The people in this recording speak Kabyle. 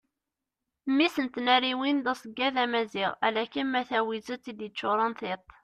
mmi-s n tnariwin d aseggad amaziɣ ala kem a tawizet i d-yeččuren tiṭ